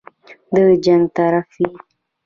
د جنګ طرف وي.